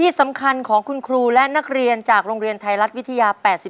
ที่สำคัญของคุณครูและนักเรียนจากโรงเรียนไทยรัฐวิทยา๘๔